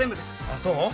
ああそう？